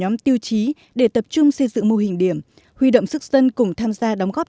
nhóm tiêu chí để tập trung xây dựng mô hình điểm huy động sức dân cùng tham gia đóng góp